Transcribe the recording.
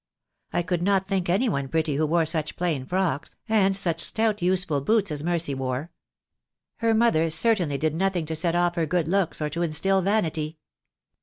I could not think any one pretty who wore such plain frocks, and such stout useful boots as Mercy wore. Her mother certainly did nothing to set off her good looks, or to instil vanity.